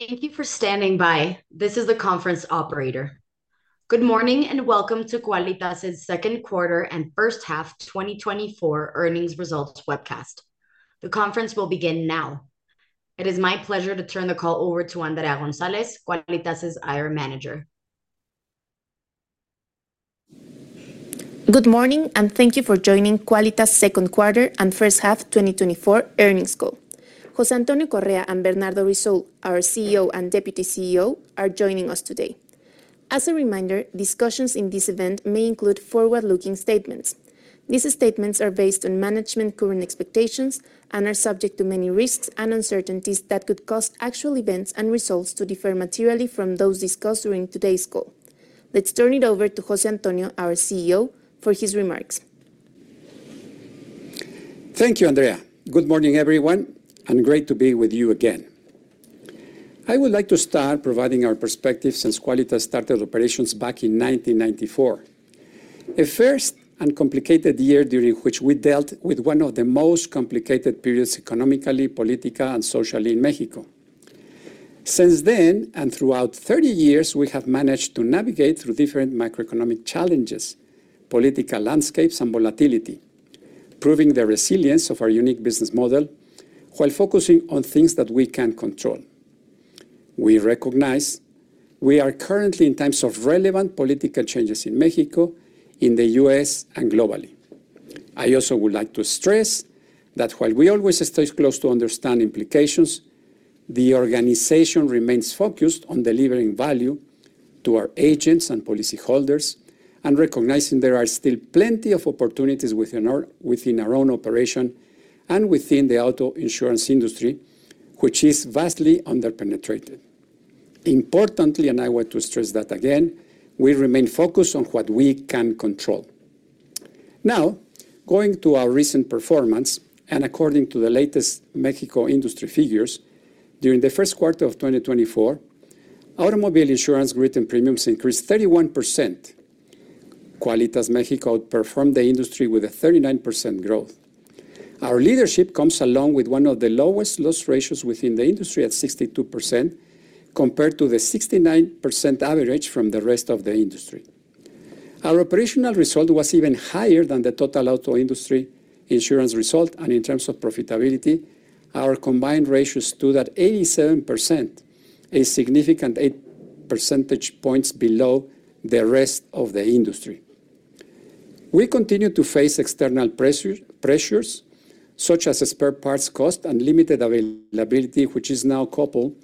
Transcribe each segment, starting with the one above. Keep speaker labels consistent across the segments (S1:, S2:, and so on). S1: Thank you for standing by. This is the conference operator. Good morning and welcome to Quálitas' second quarter and first half 2024 earnings results webcast. The conference will begin now. It is my pleasure to turn the call over to Andrea González, Quálitas' IR Manager.
S2: Good morning and thank you for joining Quálitas' second quarter and first half 2024 earnings call. José Antonio Correa and Bernardo Risoul, our CEO and Deputy CEO, are joining us today. As a reminder, discussions in this event may include forward-looking statements. These statements are based on management's current expectations and are subject to many risks and uncertainties that could cause actual events and results to differ materially from those discussed during today's call. Let's turn it over to José Antonio, our CEO, for his remarks.
S3: Thank you, Andrea. Good morning, everyone, and great to be with you again. I would like to start providing our perspective since Quálitas started operations back in 1994, a first and complicated year during which we dealt with one of the most complicated periods economically, politically, and socially in Mexico. Since then, and throughout 30 years, we have managed to navigate through different macroeconomic challenges, political landscapes, and volatility, proving the resilience of our unique business model while focusing on things that we can control. We recognize we are currently in times of relevant political changes in Mexico, in the U.S., and globally. I also would like to stress that while we always stay close to understand implications, the organization remains focused on delivering value to our agents and policyholders, and recognizing there are still plenty of opportunities within our own operation and within the auto insurance industry, which is vastly underpenetrated. Importantly, and I want to stress that again, we remain focused on what we can control. Now, going to our recent performance, and according to the latest Mexico industry figures, during the first quarter of 2024, automobile insurance GWP and premiums increased 31%. Quálitas México outperformed the industry with a 39% growth. Our leadership comes along with one of the lowest loss ratios within the industry at 62% compared to the 69% average from the rest of the industry. Our operational result was even higher than the total auto industry insurance result, and in terms of profitability, our combined ratios stood at 87%, a significant 8 percentage points below the rest of the industry. We continue to face external pressures such as spare parts cost and limited availability, which is now coupled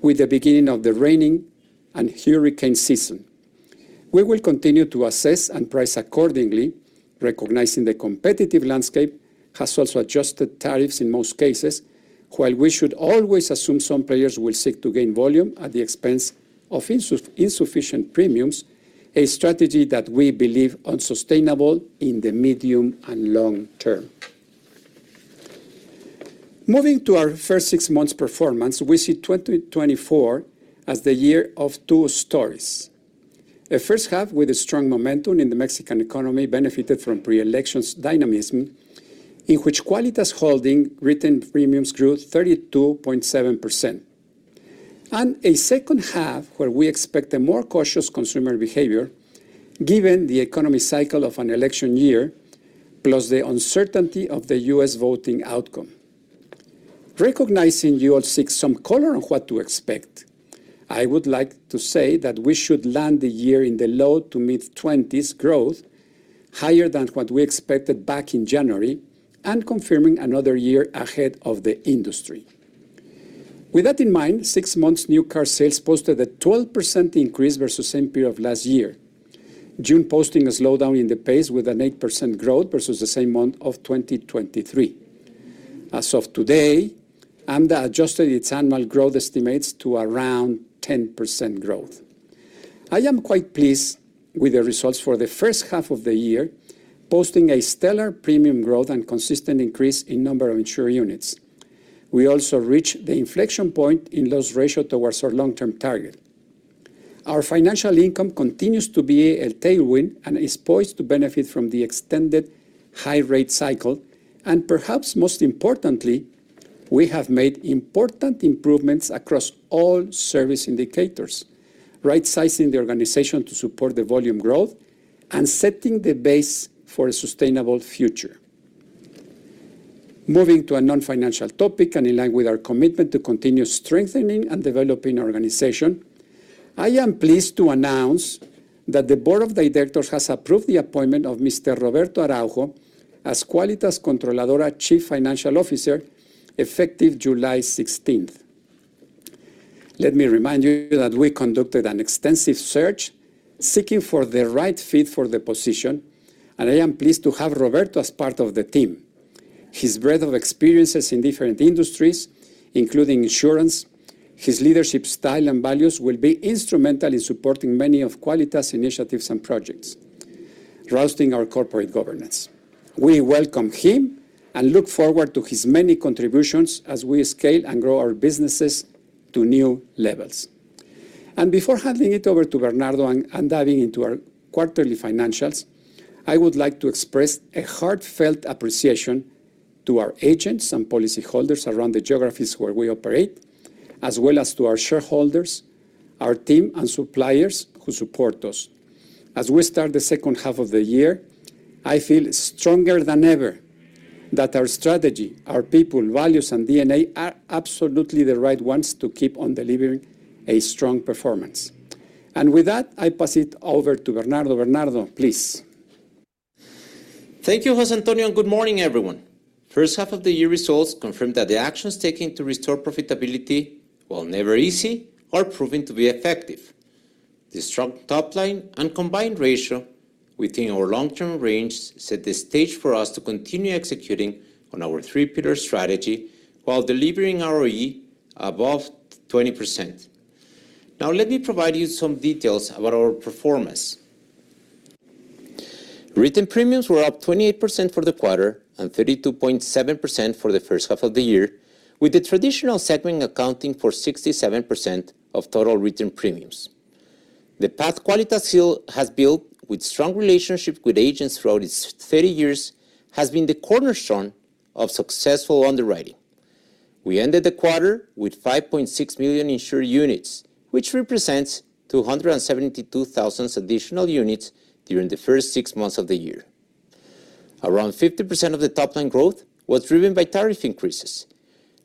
S3: with the beginning of the rainy and hurricane season. We will continue to assess and price accordingly, recognizing the competitive landscape has also adjusted tariffs in most cases, while we should always assume some players will seek to gain volume at the expense of insufficient premiums, a strategy that we believe is unsustainable in the medium and long term. Moving to our first six months' performance, we see 2024 as the year of two stories. A first half with a strong momentum in the Mexican economy benefited from pre-elections dynamism, in which Quálitas holding written premiums grew 32.7%. And a second half where we expect a more cautious consumer behavior, given the economy cycle of an election year, plus the uncertainty of the U.S. voting outcome. Recognizing you all seek some color on what to expect, I would like to say that we should land the year in the low to mid-20s growth, higher than what we expected back in January, and confirming another year ahead of the industry. With that in mind, six months' new car sales posted a 12% increase versus the same period of last year, June posting a slowdown in the pace with an 8% growth versus the same month of 2023. As of today, AMDA adjusted its annual growth estimates to around 10% growth. I am quite pleased with the results for the first half of the year, posting a stellar premium growth and consistent increase in number of insured units. We also reached the inflection point in loss ratio towards our long-term target. Our financial income continues to be a tailwind and is poised to benefit from the extended high-rate cycle, and perhaps most importantly, we have made important improvements across all service indicators, right-sizing the organization to support the volume growth and setting the base for a sustainable future. Moving to a non-financial topic and in line with our commitment to continue strengthening and developing our organization, I am pleased to announce that the Board of Directors has approved the appointment of Mr. Roberto Russildi as Quálitas Controladora Chief Financial Officer effective July 16th. Let me remind you that we conducted an extensive search seeking for the right fit for the position, and I am pleased to have Roberto as part of the team. His breadth of experiences in different industries, including insurance, his leadership style and values will be instrumental in supporting many of Quálitas' initiatives and projects, bolstering our corporate governance. We welcome him and look forward to his many contributions as we scale and grow our businesses to new levels. Before handing it over to Bernardo and diving into our quarterly financials, I would like to express a heartfelt appreciation to our agents and policyholders around the geographies where we operate, as well as to our shareholders, our team, and suppliers who support us. As we start the second half of the year, I feel stronger than ever that our strategy, our people, values, and DNA are absolutely the right ones to keep on delivering a strong performance. With that, I pass it over to Bernardo. Bernardo, please.
S4: Thank you, José Antonio, and good morning, everyone. First half of the year results confirmed that the actions taken to restore profitability, while never easy, are proving to be effective. The strong top line and combined ratio within our long-term range set the stage for us to continue executing on our three-pillar strategy while delivering ROE above 20%. Now, let me provide you some details about our performance. Written premiums were up 28% for the quarter and 32.7% for the first half of the year, with the traditional segment accounting for 67% of total written premiums. The path Quálitas has built with strong relationships with agents throughout its 30 years has been the cornerstone of successful underwriting. We ended the quarter with 5.6 million insured units, which represents 272,000 additional units during the first six months of the year. Around 50% of the top line growth was driven by tariff increases,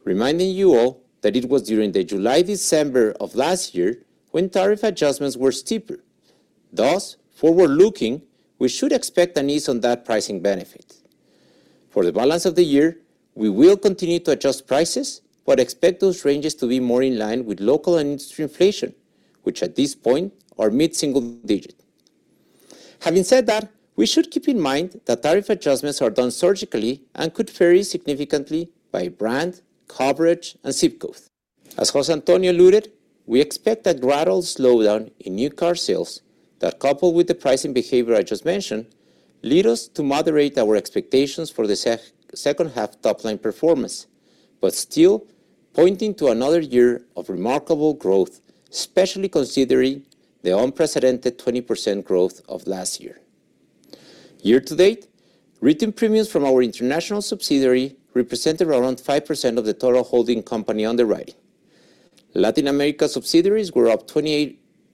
S4: reminding you all that it was during the July-December of last year when tariff adjustments were steeper. Thus, forward-looking, we should expect an ease on that pricing benefit. For the balance of the year, we will continue to adjust prices, but expect those ranges to be more in line with local and industry inflation, which at this point are mid-single digit. Having said that, we should keep in mind that tariff adjustments are done surgically and could vary significantly by brand, coverage, and ZIP code. As José Antonio alluded, we expect a gradual slowdown in new car sales that, coupled with the pricing behavior I just mentioned, leads us to moderate our expectations for the second half top line performance, but still pointing to another year of remarkable growth, especially considering the unprecedented 20% growth of last year. Year-to-date, written premiums from our international subsidiary represent around 5% of the total holding company underwriting. Latin America subsidiaries were up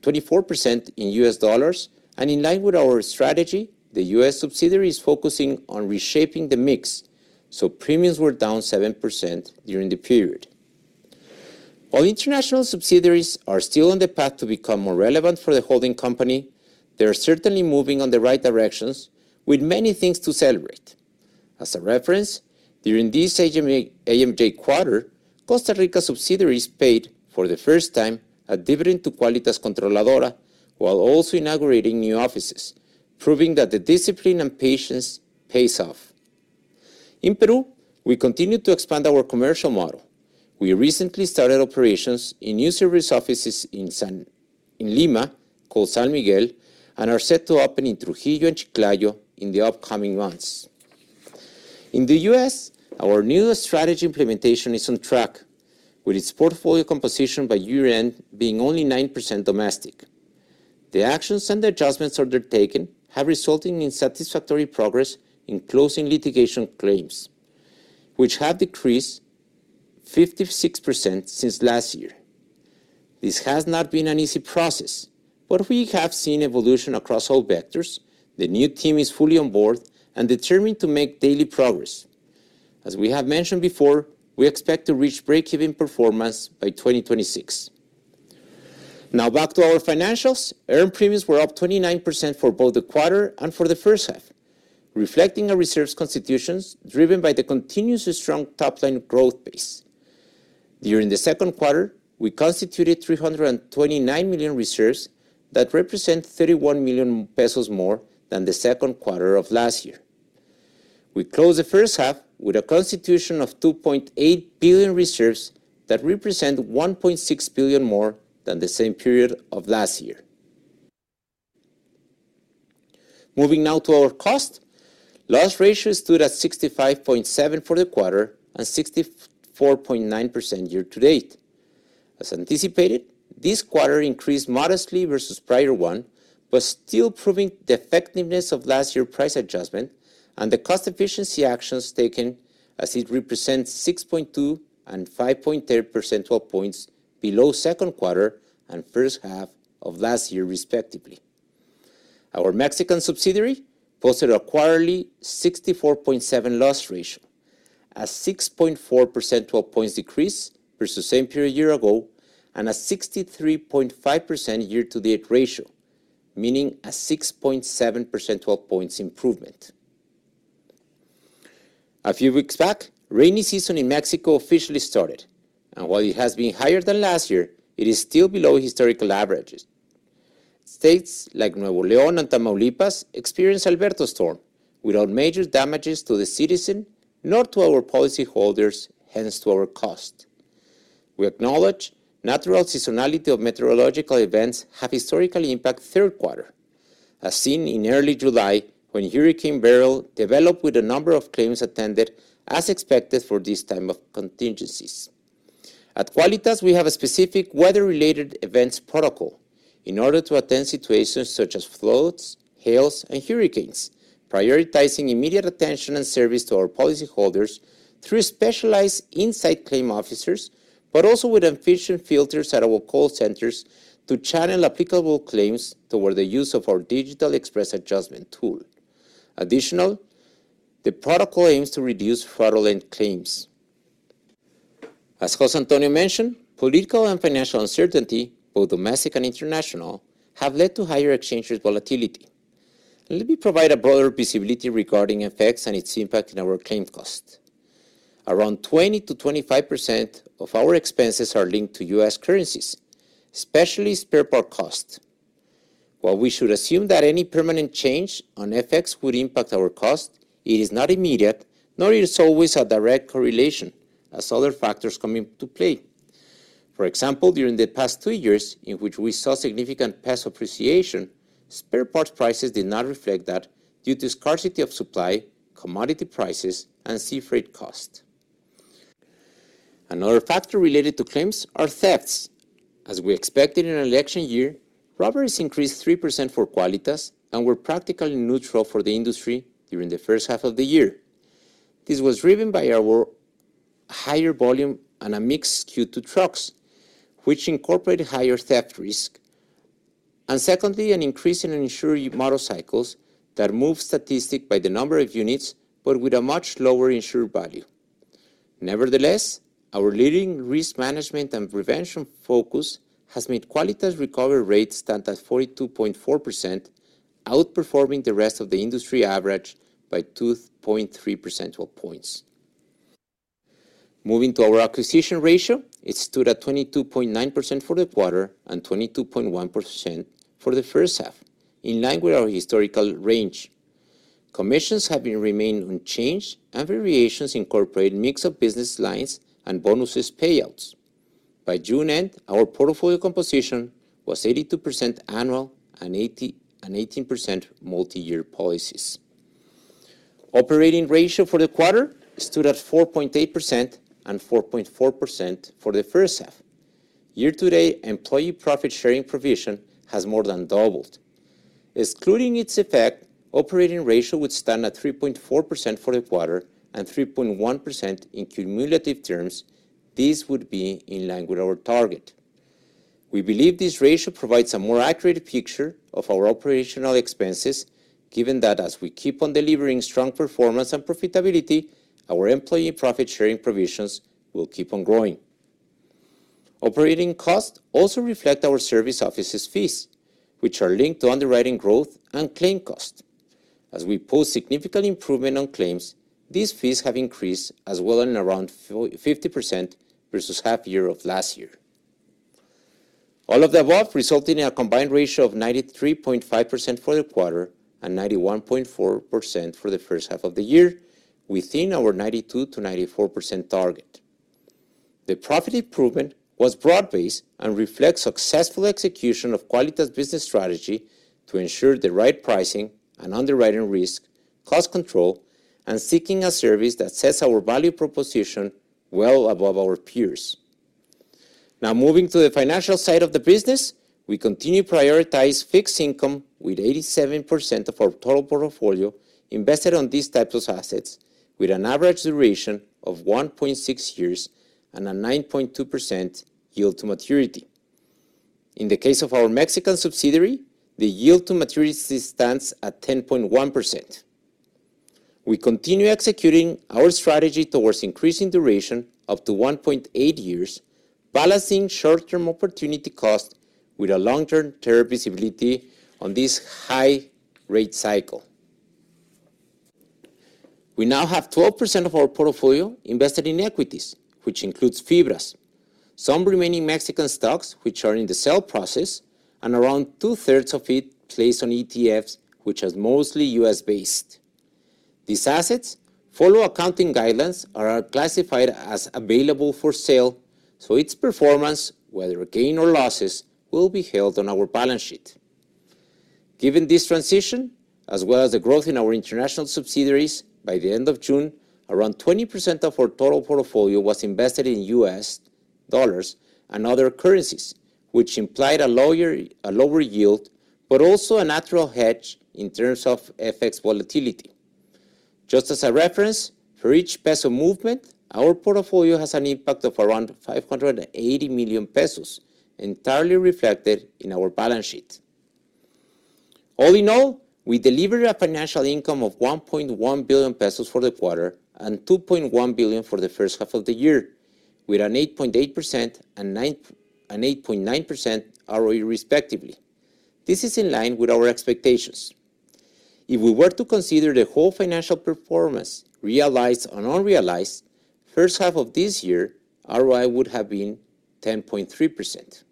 S4: 24% in U.S. dollars, and in line with our strategy, the U.S. subsidiary is focusing on reshaping the mix, so premiums were down 7% during the period. While international subsidiaries are still on the path to become more relevant for the holding company, they are certainly moving in the right directions, with many things to celebrate. As a reference, during this AMJ quarter, Costa Rica subsidiaries paid, for the first time, a dividend to Quálitas Controladora while also inaugurating new offices, proving that the discipline and patience pay off. In Peru, we continue to expand our commercial model. We recently started operations in new service offices in Lima called San Miguel and are set to open in Trujillo and Chiclayo in the upcoming months. In the U.S., our new strategy implementation is on track, with its portfolio composition by year-end being only 9% domestic. The actions and the adjustments undertaken have resulted in satisfactory progress in closing litigation claims, which have decreased 56% since last year. This has not been an easy process, but we have seen evolution across all vectors. The new team is fully on board and determined to make daily progress. As we have mentioned before, we expect to reach break-even performance by 2026. Now, back to our financials. Earned premiums were up 29% for both the quarter and for the first half, reflecting our reserves constitutions driven by the continuously strong top line growth pace. During the second quarter, we constituted 329 million reserves that represent 31 million pesos more than the second quarter of last year. We closed the first half with a constitution of 2.8 billion reserves that represent 1.6 billion more than the same period of last year. Moving now to our cost, loss ratios stood at 65.7% for the quarter and 64.9% year-to-date. As anticipated, this quarter increased modestly versus the prior one, but still proving the effectiveness of last year's price adjustment and the cost efficiency actions taken, as it represents 6.2 and 5.3 percentage points below the second quarter and first half of last year, respectively. Our Mexican subsidiary posted a quarterly 64.7% loss ratio, a 6.4 percentage points decrease versus the same period a year ago, and a 63.5% year-to-date ratio, meaning a 6.7 percentage points improvement. A few weeks back, rainy season in Mexico officially started, and while it has been higher than last year, it is still below historical averages. States like Nuevo León and Tamaulipas experienced Alberto storm, without major damages to the citizen nor to our policyholders, hence to our cost. We acknowledge natural seasonality of meteorological events have historically impacted the third quarter, as seen in early July when Hurricane Beryl developed with a number of claims attended as expected for this time of contingencies. At Quálitas, we have a specific weather-related events protocol in order to attend situations such as floods, hails, and hurricanes, prioritizing immediate attention and service to our policyholders through specialized inside claim officers, but also with amphibian filters at our call centers to channel applicable claims toward the use of our digital express adjustment tool. Additionally, the protocol aims to reduce fraudulent claims. As José Antonio mentioned, political and financial uncertainty, both domestic and international, have led to higher exchange rate volatility. Let me provide a broader visibility regarding FX and its impact in our claim cost. Around 20%-25% of our expenses are linked to U.S. currencies, especially spare part cost. While we should assume that any permanent change on FX would impact our cost, it is not immediate, nor is it always a direct correlation, as other factors come into play. For example, during the past two years in which we saw significant peso appreciation, spare parts prices did not reflect that due to scarcity of supply, commodity prices, and sea freight cost. Another factor related to claims are thefts. As we expected in an election year, robberies increased 3% for Quálitas and were practically neutral for the industry during the first half of the year. This was driven by our higher volume and a mixed queue to trucks, which incorporated higher theft risk, and secondly, an increase in insured motorcycles that moved statistically by the number of units, but with a much lower insured value. Nevertheless, our leading risk management and prevention focus has made Quálitas' recovery rate stand at 42.4%, outperforming the rest of the industry average by 2.3 percentage points. Moving to our acquisition ratio, it stood at 22.9% for the quarter and 22.1% for the first half, in line with our historical range. Commissions have remained unchanged, and variations incorporate mix of business lines and bonuses payouts. By June end, our portfolio composition was 82% annual and 18% multi-year policies. Operating ratio for the quarter stood at 4.8% and 4.4% for the first half. Year-to-date, employee profit sharing provision has more than doubled. Excluding its effect, operating ratio would stand at 3.4% for the quarter and 3.1% in cumulative terms. This would be in line with our target. We believe this ratio provides a more accurate picture of our operational expenses, given that as we keep on delivering strong performance and profitability, our employee profit sharing provisions will keep on growing. Operating costs also reflect our service offices' fees, which are linked to underwriting growth and claim cost. As we post significant improvement on claims, these fees have increased as well in around 50% versus half year of last year. All of the above resulted in a combined ratio of 93.5% for the quarter and 91.4% for the first half of the year, within our 92%-94% target. The profit improvement was broad-based and reflects successful execution of Quálitas' business strategy to ensure the right pricing and underwriting risk, cost control, and seeking a service that sets our value proposition well above our peers. Now, moving to the financial side of the business, we continue to prioritize fixed income with 87% of our total portfolio invested on these types of assets, with an average duration of 1.6 years and a 9.2% yield to maturity. In the case of our Mexican subsidiary, the yield to maturity stands at 10.1%. We continue executing our strategy towards increasing duration up to 1.8 years, balancing short-term opportunity cost with a long-term rate visibility on this high-rate cycle. We now have 12% of our portfolio invested in equities, which includes Fibras, some remaining Mexican stocks which are in the sale process, and around two-thirds of it placed on ETFs, which are mostly U.S.-based. These assets, following accounting guidelines, are classified as available for sale, so its performance, whether gain or losses, will be held on our balance sheet. Given this transition, as well as the growth in our international subsidiaries, by the end of June, around 20% of our total portfolio was invested in U.S. dollars and other currencies, which implied a lower yield, but also a natural hedge in terms of FX volatility. Just as a reference, for each peso movement, our portfolio has an impact of around 580 million pesos, entirely reflected in our balance sheet. All in all, we delivered a financial income of 1.1 billion pesos for the quarter and 2.1 billion for the first half of the year, with an 8.8% and 8.9% ROE, respectively. This is in line with our expectations. If we were to consider the whole financial performance realized and unrealized, the first half of this year, ROI would have been 10.3%.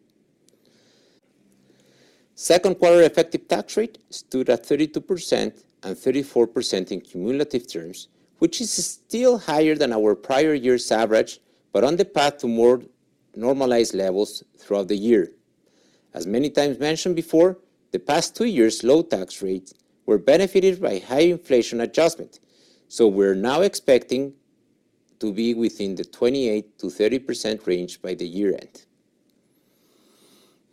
S4: Second quarter effective tax rate stood at 32% and 34% in cumulative terms, which is still higher than our prior year's average, but on the path to more normalized levels throughout the year. As many times mentioned before, the past two years, low tax rates were benefited by high inflation adjustment, so we're now expecting to be within the 28%-30% range by the year end.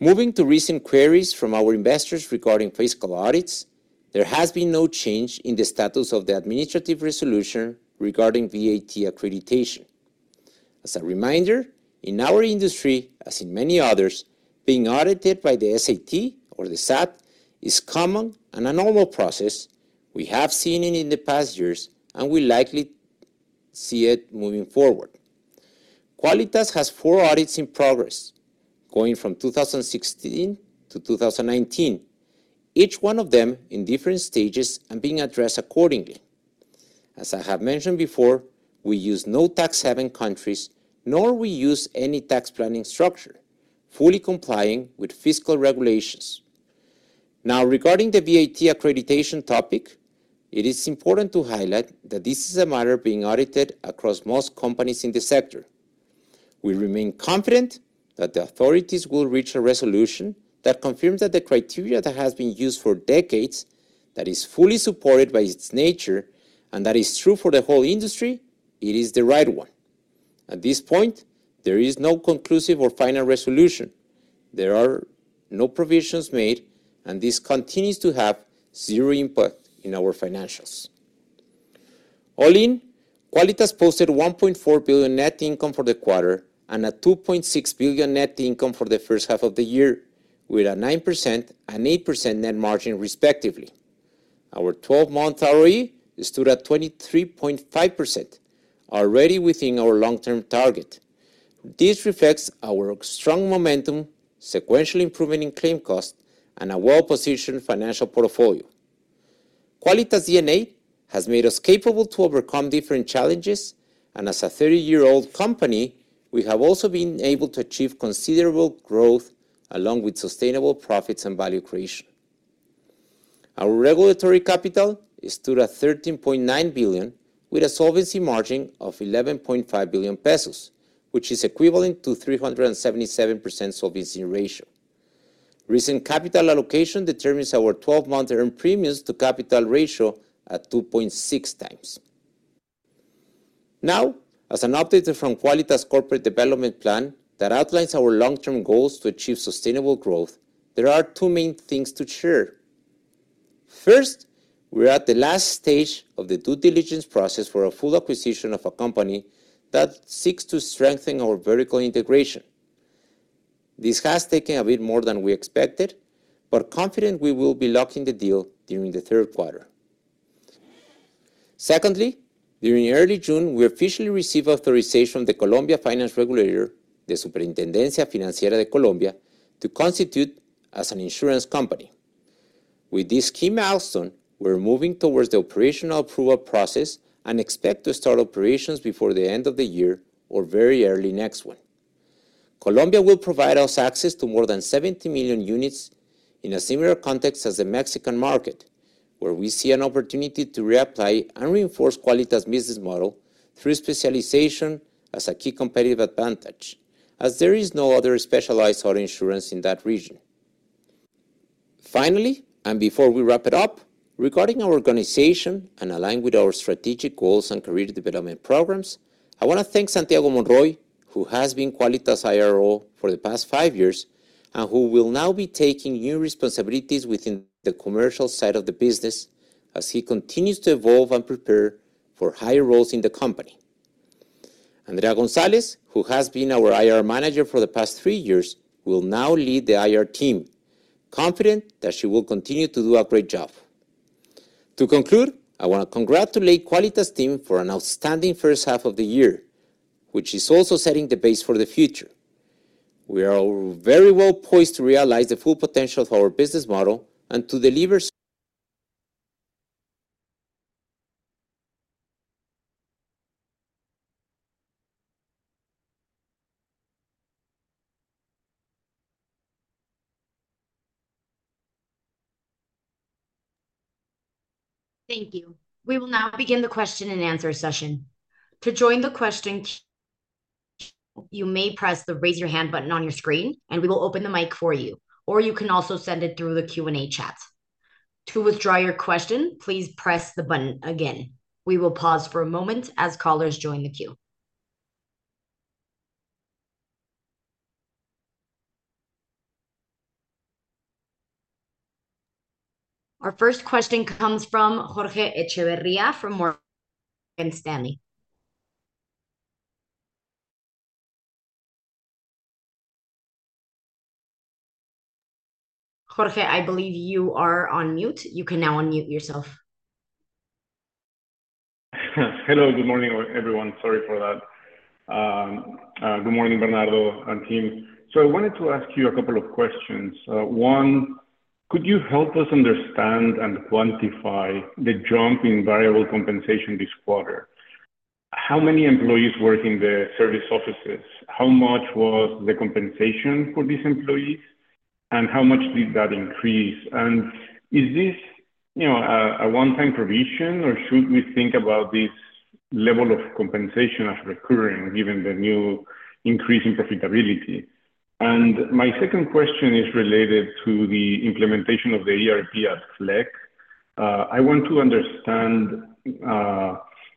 S4: Moving to recent queries from our investors regarding fiscal audits, there has been no change in the status of the administrative resolution regarding VAT accreditation. As a reminder, in our industry, as in many others, being audited by the SAP or the SAT is common and a normal process we have seen in the past years, and we likely see it moving forward. Quálitas has four audits in progress, going from 2016 to 2019, each one of them in different stages and being addressed accordingly. As I have mentioned before, we use no tax haven countries, nor we use any tax planning structure, fully complying with fiscal regulations. Now, regarding the VAT accreditation topic, it is important to highlight that this is a matter being audited across most companies in the sector. We remain confident that the authorities will reach a resolution that confirms that the criteria that has been used for decades, that is fully supported by its nature, and that is true for the whole industry, it is the right one. At this point, there is no conclusive or final resolution. There are no provisions made, and this continues to have zero impact in our financials. All in, Quálitas posted 1.4 billion net income for the quarter and 2.6 billion net income for the first half of the year, with a 9% and 8% net margin, respectively. Our 12-month ROE stood at 23.5%, already within our long-term target. This reflects our strong momentum, sequentially improving in claim cost, and a well-positioned financial portfolio. Quálitas' DNA has made us capable to overcome different challenges, and as a 30-year-old company, we have also been able to achieve considerable growth along with sustainable profits and value creation. Our regulatory capital stood at 13.9 billion, with a solvency margin of 11.5 billion pesos, which is equivalent to a 377% solvency ratio. Recent capital allocation determines our 12-month earned premiums to capital ratio at 2.6x. Now, as an update from Quálitas' corporate development plan that outlines our long-term goals to achieve sustainable growth, there are two main things to share. First, we're at the last stage of the due diligence process for a full acquisition of a company that seeks to strengthen our vertical integration. This has taken a bit more than we expected, but I'm confident we will be locking the deal during the third quarter. Secondly, during early June, we officially received authorization from the Colombian Finance Regulator, the Superintendencia Financiera de Colombia, to constitute as an insurance company. With this key milestone, we're moving towards the operational approval process and expect to start operations before the end of the year or very early next one. Colombia will provide us access to more than 70 million units in a similar context as the Mexican market, where we see an opportunity to reapply and reinforce Quálitas' business model through specialization as a key competitive advantage, as there is no other specialized auto insurance in that region. Finally, and before we wrap it up, regarding our organization and aligned with our strategic goals and career development programs, I want to thank Santiago Monroy, who has been Quálitas' IRO for the past five years and who will now be taking new responsibilities within the commercial side of the business as he continues to evolve and prepare for higher roles in the company. Andrea Gonzalez, who has been our IR manager for the past three years, will now lead the IR team, confident that she will continue to do a great job. To conclude, I want to congratulate Quálitas' team for an outstanding first half of the year, which is also setting the base for the future. We are very well poised to realize the full potential of our business model and to deliver.
S1: Thank you. We will now begin the question and answer session. To join the question, you may press the raise your hand button on your screen, and we will open the mic for you, or you can also send it through the Q&A chat. To withdraw your question, please press the button again. We will pause for a moment as callers join the queue. Our first question comes from Jorge Echagüe from Morgan Stanley. Jorge, I believe you are on mute. You can now unmute yourself. Hello, good morning, everyone. Sorry for that. Good morning, Bernardo and team. I wanted to ask you a couple of questions. One, could you help us understand and quantify the jump in variable compensation this quarter? How many employees work in the service offices? How much was the compensation for these employees? And how much did that increase? And is this a one-time provision, or should we think about this level of compensation as recurring given the new increase in profitability? And my second question is related to the implementation of the ERP at Flekk. I want to understand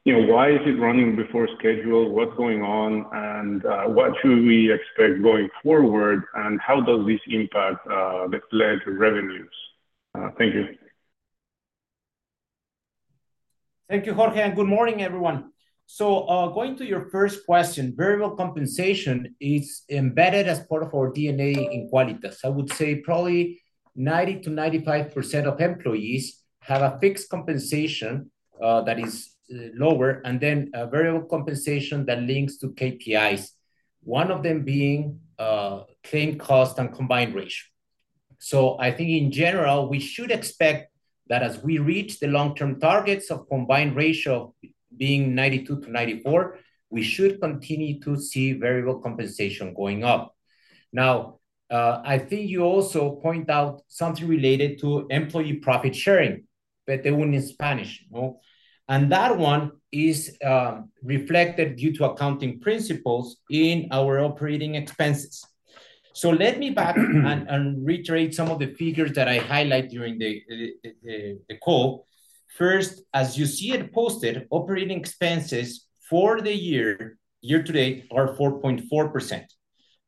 S1: why is it running before schedule, what's going on, and what should we expect going forward, and how does this impact the Flekk revenues? Thank you.
S4: Thank you, Jorge, and good morning, everyone. So going to your first question, variable compensation is embedded as part of our DNA in Quálitas. I would say probably 90%-95% of employees have a fixed compensation that is lower, and then a variable compensation that links to KPIs, one of them being claim cost and combined ratio. So I think in general, we should expect that as we reach the long-term targets of combined ratio being 92%-94%, we should continue to see variable compensation going up. Now, I think you also point out something related to employee profit sharing, but they went in Spanish. And that one is reflected due to accounting principles in our operating expenses. So let me back and reiterate some of the figures that I highlight during the call. First, as you see it posted, operating expenses for the year-to-date are 4.4%.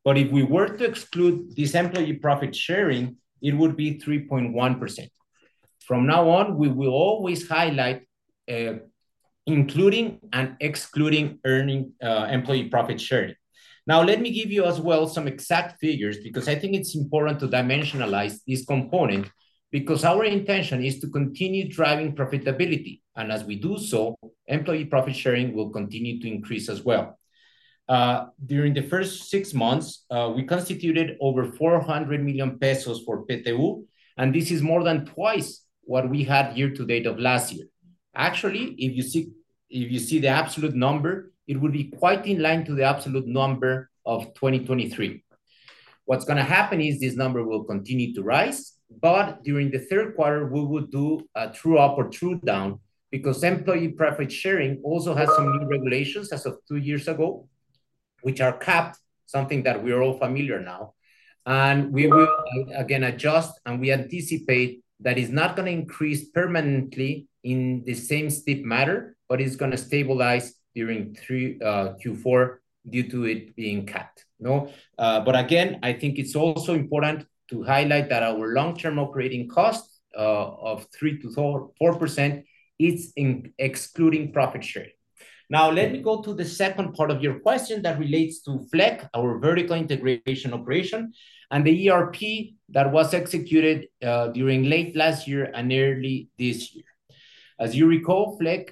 S4: But if we were to exclude this employee profit sharing, it would be 3.1%. From now on, we will always highlight including and excluding earning employee profit sharing. Now, let me give you as well some exact figures because I think it's important to dimensionalize this component because our intention is to continue driving profitability. As we do so, employee profit sharing will continue to increase as well. During the first six months, we constituted over 400 million pesos for PTU, and this is more than twice what we had year-to-date of last year. Actually, if you see the absolute number, it would be quite in line to the absolute number of 2023. What's going to happen is this number will continue to rise, but during the third quarter, we will do a true up or true down because employee profit sharing also has some new regulations as of two years ago, which are capped, something that we are all familiar now. We will again adjust, and we anticipate that it's not going to increase permanently in the same stiff matter, but it's going to stabilize during Q4 due to it being capped. But again, I think it's also important to highlight that our long-term operating cost of 3%-4% is excluding profit sharing. Now, let me go to the second part of your question that relates to Flekk, our vertical integration operation, and the ERP that was executed during late last year and early this year. As you recall, Flekk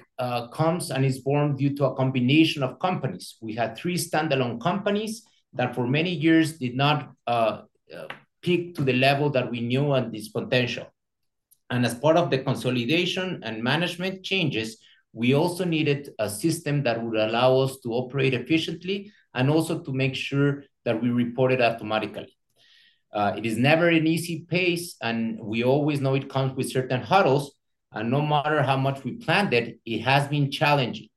S4: comes and is born due to a combination of companies. We had three standalone companies that for many years did not peak to the level that we knew on this potential. As part of the consolidation and management changes, we also needed a system that would allow us to operate efficiently and also to make sure that we reported automatically. It is never an easy pace, and we always know it comes with certain hurdles. No matter how much we planned it, it has been challenging.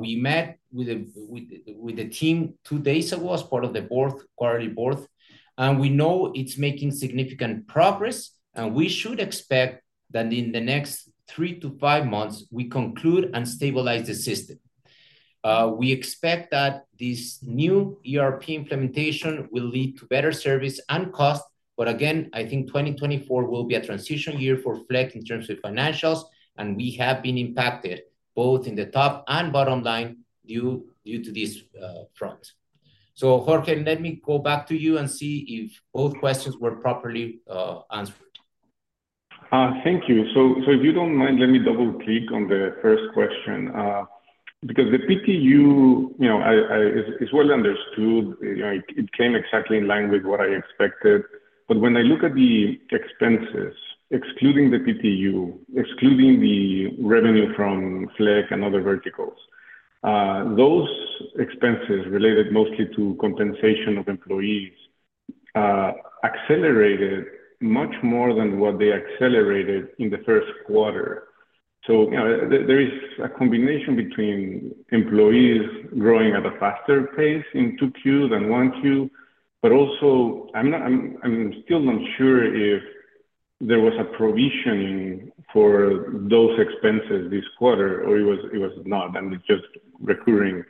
S4: We met with the team 2 days ago as part of the quarterly board, and we know it's making significant progress, and we should expect that in the next 3-5 months, we conclude and stabilize the system. We expect that this new ERP implementation will lead to better service and cost, but again, I think 2024 will be a transition year for Flekk in terms of financials, and we have been impacted both in the top and bottom line due to this front. So, Jorge, let me go back to you and see if both questions were properly answered. Thank you. So if you don't mind, let me double-click on the first question because the PTU is well understood. It came exactly in line with what I expected. But when I look at the expenses, excluding the PTU, excluding the revenue from Flekk and other verticals, those expenses related mostly to compensation of employees accelerated much more than what they accelerated in the first quarter. So there is a combination between employees growing at a faster pace in 2Q than 1Q, but also I'm still not sure if there was a provision for those expenses this quarter, or it was not, and it's just recurring.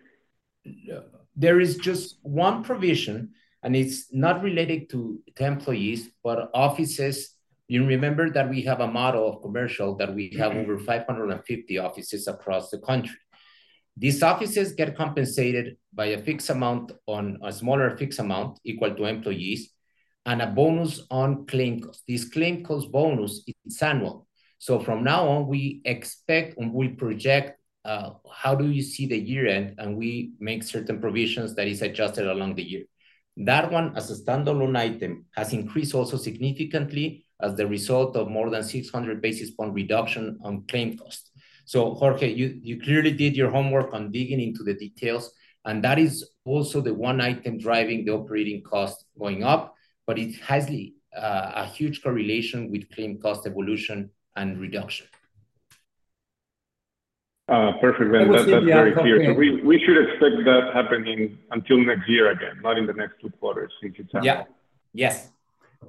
S4: There is just one provision, and it's not related to employees, but offices. You remember that we have a model of commercial that we have over 550 offices across the country. These offices get compensated by a fixed amount on a smaller fixed amount equal to employees and a bonus on claim costs. This claim cost bonus is annual. So from now on, we expect and we project how do you see the year end, and we make certain provisions that are adjusted along the year. That one, as a standalone item, has increased also significantly as the result of more than 600 basis points reduction on claim costs. So, Jorge, you clearly did your homework on digging into the details, and that is also the one item driving the operating cost going up, but it has a huge correlation with claim cost evolution and reduction. Perfect. That's very clear. So we should expect that happening until next year again, not in the next two quarters, if it's happening.
S3: Yes.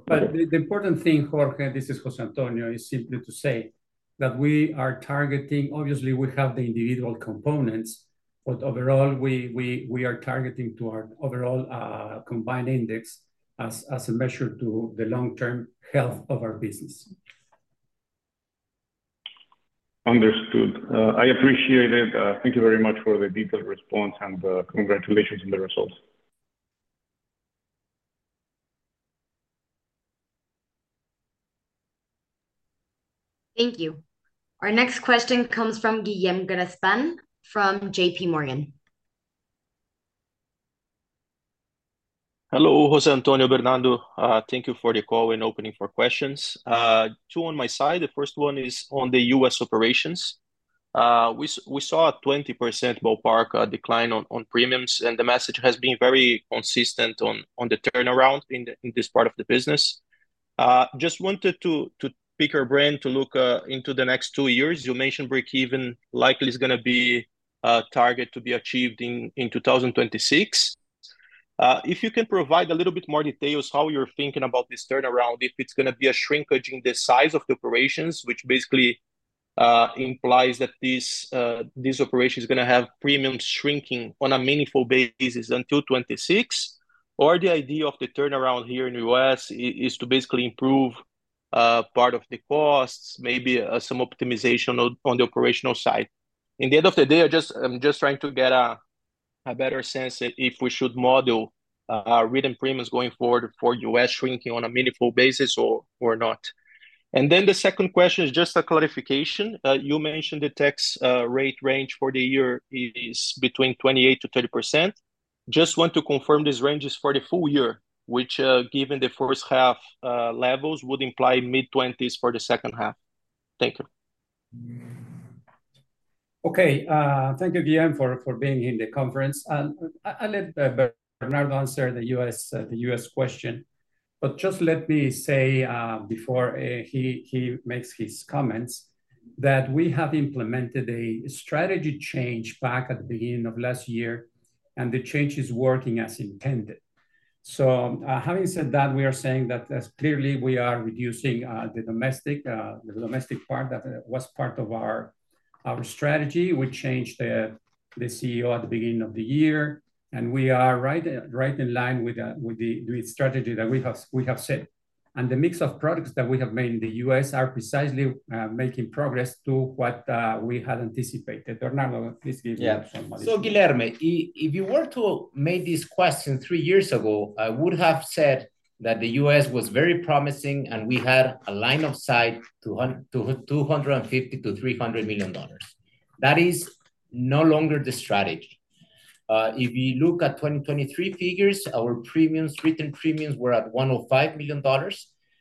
S3: But the important thing, Jorge, this is José Antonio, is simply to say that we are targeting, obviously, we have the individual components, but overall, we are targeting to our overall combined ratio as a measure to the long-term health of our business. Understood. I appreciate it. Thank you very much for the detailed response, and congratulations on the results.
S1: Thank you. Our next question comes from Guilherme Grespan from J.P. Morgan.
S5: Hello, José Antonio, Bernardo. Thank you for the call and opening for questions. Two on my side. The first one is on the US operations. We saw a 20% ballpark decline on premiums, and the message has been very consistent on the turnaround in this part of the business. Just wanted to pick your brain to look into the next two years. You mentioned breakeven likely is going to be a target to be achieved in 2026. If you can provide a little bit more details how you're thinking about this turnaround, if it's going to be a shrinkage in the size of the operations, which basically implies that this operation is going to have premiums shrinking on a meaningful basis until 2026, or the idea of the turnaround here in the U.S. is to basically improve part of the costs, maybe some optimization on the operational side. In the end of the day, I'm just trying to get a better sense if we should model written premiums going forward for U.S. shrinking on a meaningful basis or not. And then the second question is just a clarification. You mentioned the tax rate range for the year is between 28%-30%. Just want to confirm this range is for the full year, which given the first half levels would imply mid-20s for the second half. Thank you.
S3: Okay. Thank you, Guilherme, for being in the conference. I'll let Bernardo answer the US question, but just let me say before he makes his comments that we have implemented a strategy change back at the beginning of last year, and the change is working as intended. So having said that, we are saying that clearly we are reducing the domestic part that was part of our strategy. We changed the CEO at the beginning of the year, and we are right in line with the strategy that we have set. And the mix of products that we have made in the US are precisely making progress to what we had anticipated. Bernardo, please give me some money.
S4: So, Guilherme, if you were to make this question three years ago, I would have said that the U.S. was very promising and we had a line of sight to $250 million-$300 million. That is no longer the strategy. If you look at 2023 figures, our written premiums were at $105 million,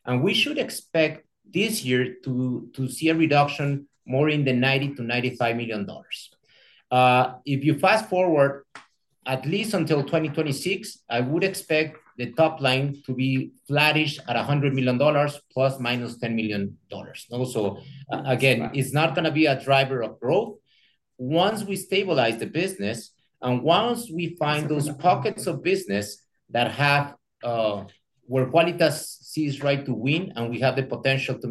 S4: and we should expect this year to see a reduction more in the $90 million-$95 million. If you fast forward at least until 2026, I would expect the top line to be flattish at $100 million +/- $10 million. So again, it's not going to be a driver of growth. Once we stabilize the business and once we find those pockets of business that have where Quálitas sees right to win and we have the potential to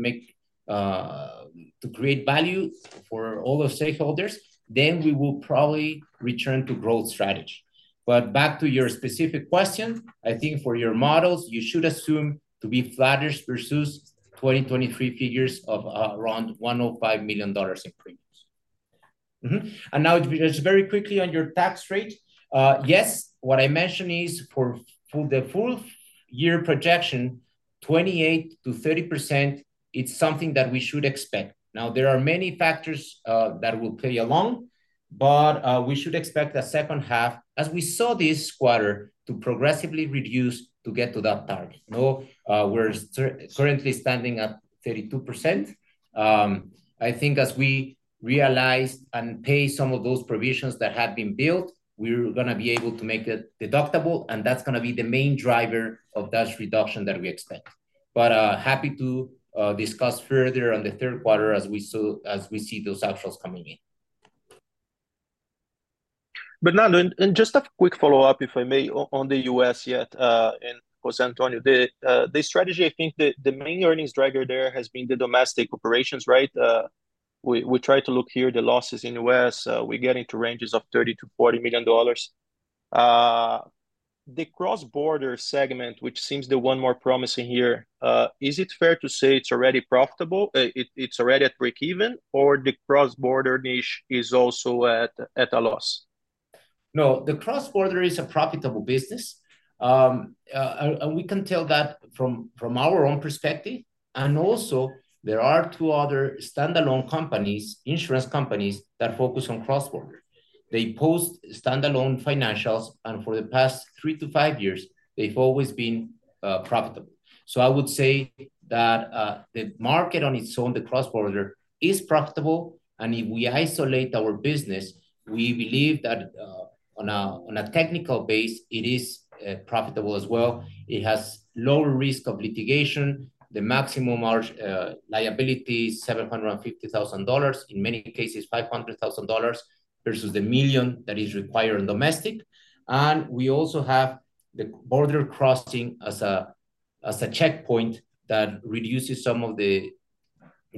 S4: create value for all those stakeholders, then we will probably return to growth strategy. But back to your specific question, I think for your models, you should assume to be flattish versus 2023 figures of around $105 million in premiums. And now, just very quickly on your tax rate. Yes, what I mentioned is for the full year projection, 28%-30%, it's something that we should expect. Now, there are many factors that will play along, but we should expect the second half, as we saw this quarter, to progressively reduce to get to that target. We're currently standing at 32%. I think as we realize and pay some of those provisions that have been built, we're going to be able to make it deductible, and that's going to be the main driver of that reduction that we expect. But happy to discuss further on the third quarter as we see those actuals coming in.
S5: Bernardo, just a quick follow-up, if I may, on the U.S. yet and José Antonio. The strategy, I think the main earnings driver there has been the domestic operations, right? We try to look here at the losses in the U.S. We get into ranges of $30 million-$40 million. The cross-border segment, which seems the one more promising here, is it fair to say it's already profitable? It's already at breakeven, or the cross-border niche is also at a loss?
S4: No, the cross-border is a profitable business. We can tell that from our own perspective. And also, there are two other standalone companies, insurance companies, that focus on cross-border. They post standalone financials, and for the past three to five years, they've always been profitable. So I would say that the market on its own, the cross-border, is profitable. And if we isolate our business, we believe that on a technical base, it is profitable as well. It has lower risk of litigation. The maximum liability is $750,000, in many cases $500,000 versus the $1 million that is required in domestic. And we also have the border crossing as a checkpoint that reduces some of the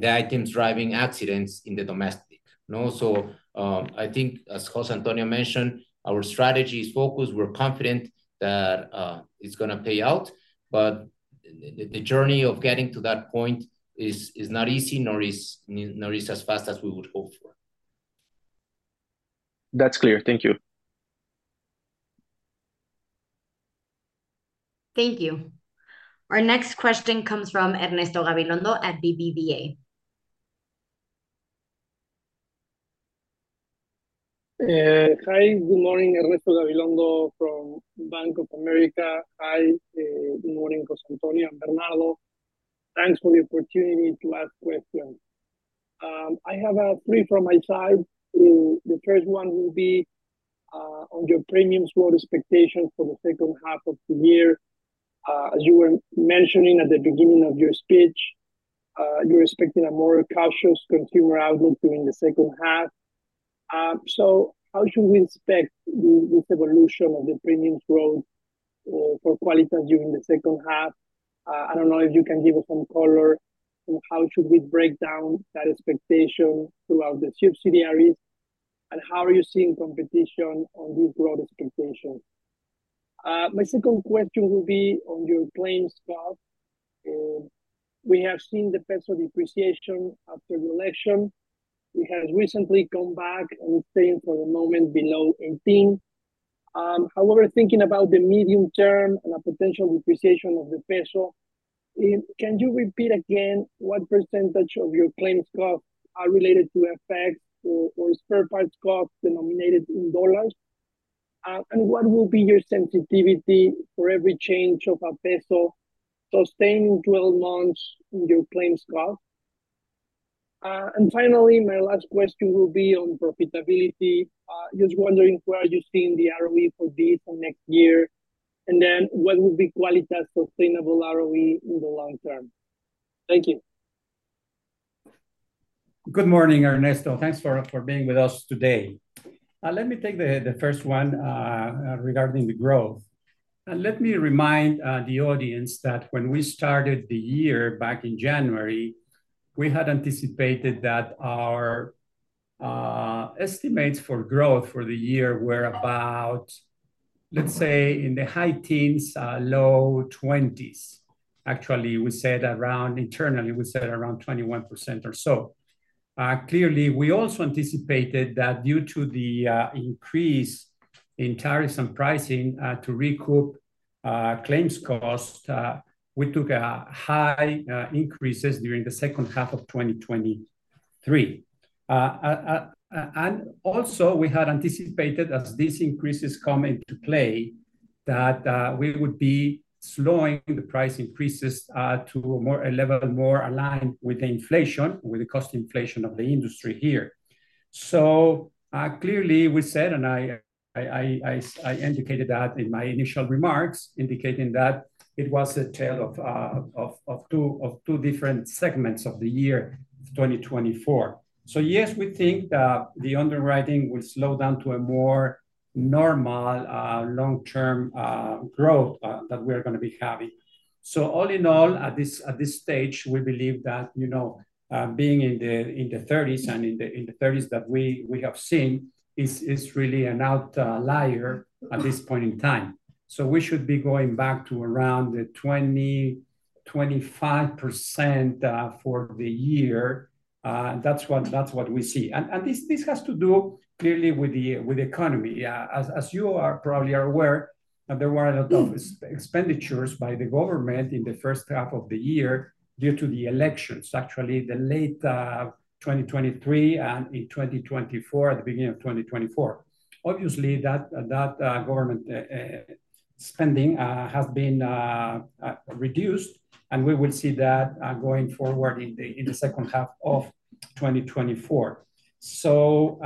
S4: items driving accidents in the domestic. So I think, as José Antonio mentioned, our strategy is focused. We're confident that it's going to pay out, but the journey of getting to that point is not easy, nor is it as fast as we would hope for.
S5: That's clear. Thank you.
S1: Thank you. Our next question comes from Ernesto Gabilondo at Bank of America.
S6: Hi. Good morning, Ernesto Gabilondo from Bank of America. Hi. Good morning, José Antonio and Bernardo. Thanks for the opportunity to ask questions. I have three from my side. The first one will be on your premiums growth expectations for the second half of the year. As you were mentioning at the beginning of your speech, you're expecting a more cautious consumer outlook during the second half. So how should we expect this evolution of the premiums growth for Quálitas during the second half? I don't know if you can give us some color on how should we break down that expectation throughout the subsidiaries, and how are you seeing competition on these growth expectations? My second question will be on your claims cost. We have seen the peso depreciation after the election. It has recently come back and is staying for the moment below 18. However, thinking about the medium term and a potential depreciation of the peso, can you repeat again what percentage of your claims costs are related to FX or spare parts costs denominated in dollars? And what will be your sensitivity for every change of a peso sustained in 12 months in your claims costs? And finally, my last question will be on profitability. Just wondering where are you seeing the ROE for this and next year, and then what will be Quálitas' sustainable ROE in the long term? Thank you.
S3: Good morning, Ernesto. Thanks for being with us today. Let me take the first one regarding the growth. Let me remind the audience that when we started the year back in January, we had anticipated that our estimates for growth for the year were about, let's say, in the high teens, low 20s. Actually, we said around internally, we said around 21% or so. Clearly, we also anticipated that due to the increase in tariffs and pricing to recoup claims costs, we took high increases during the second half of 2023. And also, we had anticipated as these increases come into play that we would be slowing the price increases to a level more aligned with the inflation, with the cost inflation of the industry here. So clearly, we said, and I indicated that in my initial remarks, indicating that it was a tale of two different segments of the year 2024. So yes, we think that the underwriting will slow down to a more normal long-term growth that we are going to be having. So all in all, at this stage, we believe that being in the 30s and in the 30s that we have seen is really an outlier at this point in time. So we should be going back to around 20%-25% for the year. That's what we see. And this has to do clearly with the economy. As you probably are aware, there were a lot of expenditures by the government in the first half of the year due to the elections, actually the late 2023 and in 2024, at the beginning of 2024. Obviously, that government spending has been reduced, and we will see that going forward in the second half of 2024. So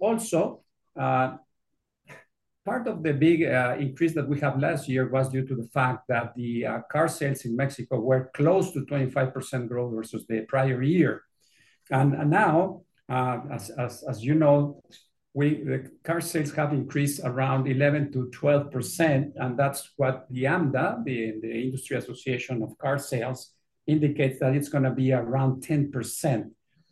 S3: also, part of the big increase that we had last year was due to the fact that the car sales in Mexico were close to 25% growth versus the prior year. And now, as you know, the car sales have increased around 11%-12%, and that's what the AMDA, the Industry Association of Car Sales, indicates that it's going to be around 10%.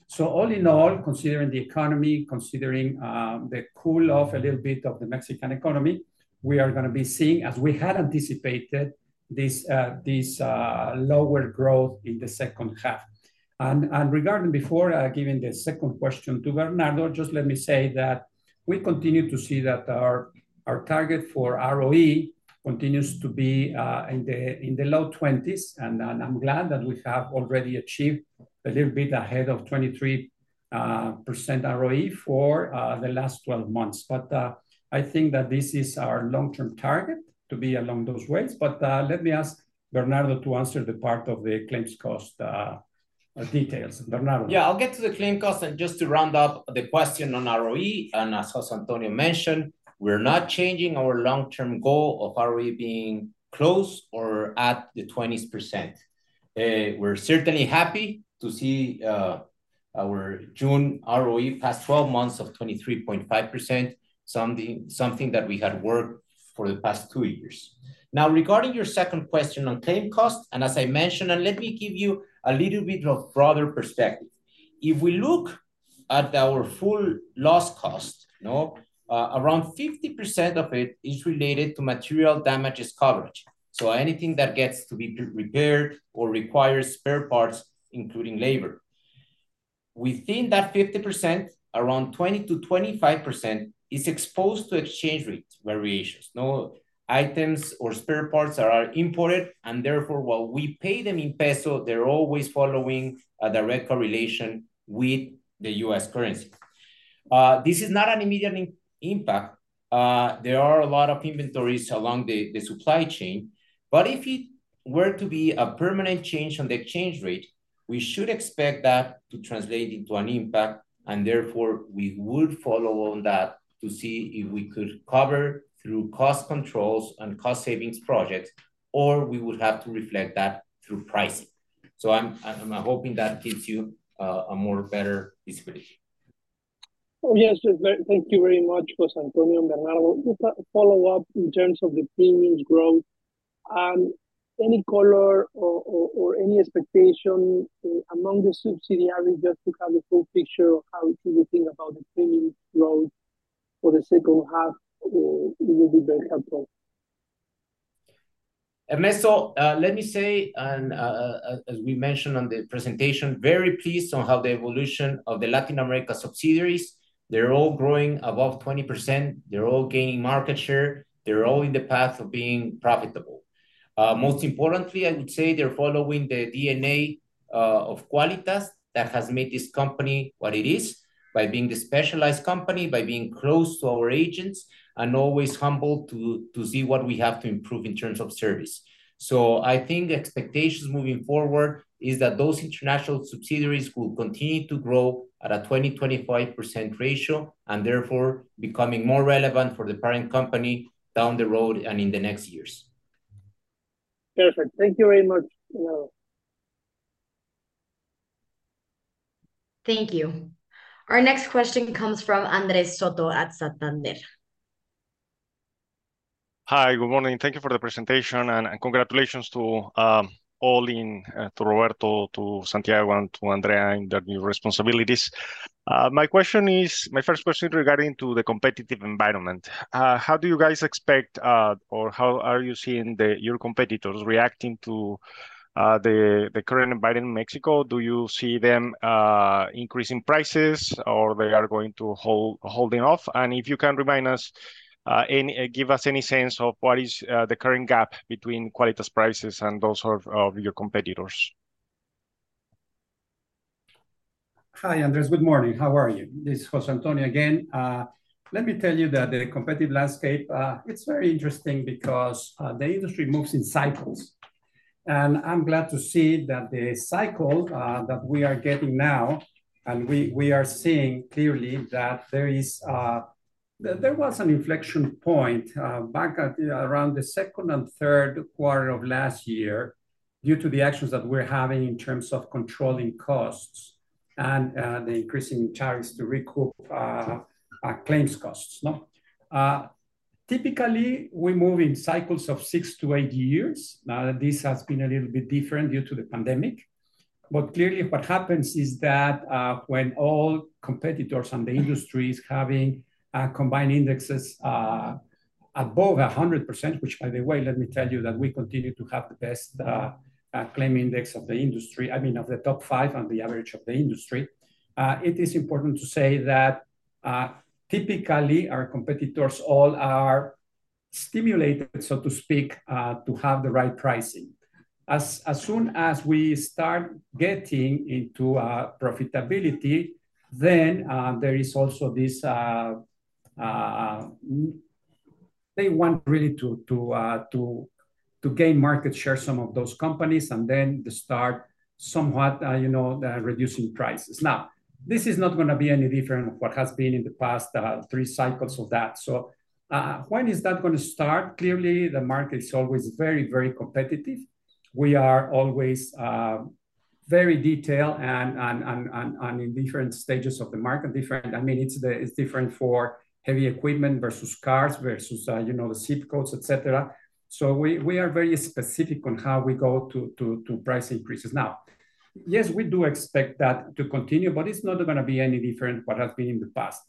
S3: So all in all, considering the economy, considering the cool off a little bit of the Mexican economy, we are going to be seeing, as we had anticipated, this lower growth in the second half. And regarding before giving the second question to Bernardo, just let me say that we continue to see that our target for ROE continues to be in the low 20s, and I'm glad that we have already achieved a little bit ahead of 23% ROE for the last 12 months. But I think that this is our long-term target to be along those ways. But let me ask Bernardo to answer the part of the claims cost details. Bernardo.
S4: Yeah, I'll get to the claim cost. Just to round up the question on ROE, as José Antonio mentioned, we're not changing our long-term goal of ROE being close or at the 20%. We're certainly happy to see our June ROE past 12 months of 23.5%, something that we had worked for the past two years. Now, regarding your second question on claim cost, as I mentioned, let me give you a little bit of broader perspective. If we look at our full loss cost, around 50% of it is related to material damages coverage. So anything that gets to be repaired or requires spare parts, including labor. Within that 50%, around 20%-25% is exposed to exchange rate variations. Items or spare parts are imported, and therefore, while we pay them in peso, they're always following a direct correlation with the U.S. currency. This is not an immediate impact. There are a lot of inventories along the supply chain. But if it were to be a permanent change on the exchange rate, we should expect that to translate into an impact, and therefore, we would follow on that to see if we could cover through cost controls and cost savings projects, or we would have to reflect that through pricing. So I'm hoping that gives you a better visibility.
S6: Well, yes, thank you very much, José Antonio and Bernardo. Follow-up in terms of the premiums growth. Any color or any expectation among the subsidiaries just to have the full picture of how do you think about the premiums growth for the second half will be very helpful.
S4: Ernesto, let me say, and as we mentioned on the presentation, very pleased on how the evolution of the Latin America subsidiaries. They're all growing above 20%. They're all gaining market share. They're all in the path of being profitable. Most importantly, I would say they're following the DNA of Quálitas that has made this company what it is by being the specialized company, by being close to our agents, and always humbled to see what we have to improve in terms of service. So I think expectations moving forward is that those international subsidiaries will continue to grow at a 20%-25% ratio, and therefore, becoming more relevant for the parent company down the road and in the next years.
S6: Perfect. Thank you very much.
S1: Thank you. Our next question comes from Andrés Soto at Santander.
S7: Hi, good morning. Thank you for the presentation, and congratulations to all, to Roberto, to Santiago, and to Andrea in their new responsibilities. My first question regarding the competitive environment. How do you guys expect, or how are you seeing your competitors reacting to the current environment in Mexico? Do you see them increasing prices, or they are going to hold them off? And if you can remind us, give us any sense of what is the current gap between Quálitas prices and those of your competitors.
S3: Hi, Andrés. Good morning. How are you? This is José Antonio again. Let me tell you that the competitive landscape, it's very interesting because the industry moves in cycles. And I'm glad to see that the cycle that we are getting now, and we are seeing clearly that there was an inflection point back around the second and third quarter of last year due to the actions that we're having in terms of controlling costs and the increasing tariffs to recoup claims costs. Typically, we move in cycles of 6 to 8 years. Now, this has been a little bit different due to the pandemic. But clearly, what happens is that when all competitors and the industry is having combined ratios above 100%, which, by the way, let me tell you that we continue to have the best loss ratio of the industry, I mean, of the top five on the average of the industry. It is important to say that typically, our competitors all are stimulated, so to speak, to have the right pricing. As soon as we start getting into profitability, then there is also this they want really to gain market share, some of those companies, and then they start somewhat reducing prices. Now, this is not going to be any different from what has been in the past three cycles of that. So when is that going to start? Clearly, the market is always very, very competitive. We are always very detailed and in different stages of the market. I mean, it's different for heavy equipment versus cars versus the ZIP codes, etc. So we are very specific on how we go to price increases. Now, yes, we do expect that to continue, but it's not going to be any different from what has been in the past.